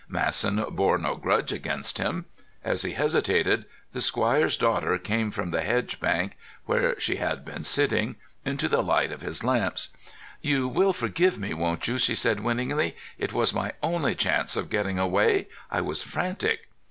Masson bore no grudge against him. As he hesitated, the squire's daughter came from the hedge bank, where she had been sitting, into the light of his lamps. "You will forgive me, won't you?" she said winningly. "It was my only chance of getting away. I was frantic."